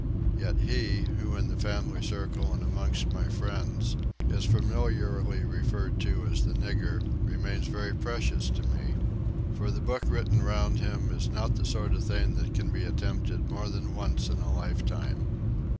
Yet he, who in the family circle and amongst my friends is familiarly referred to as the Nigger, remains very precious to me. For the book written round him is not the sort of thing that can be attempted more than once in a life time.